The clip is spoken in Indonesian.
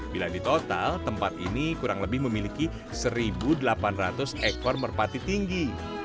bila di total tempat ini kurang lebih memiliki satu delapan ratus ekor merpati tinggi